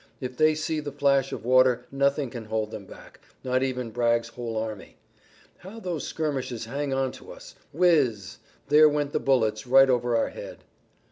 If they see the flash of water nothing can hold them back, not even Bragg's whole army. How those skirmishers hang on to us! Whizz z! there went their bullets right over our head!"